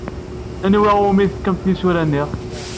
Anwa umi tefkamt tisura-nni?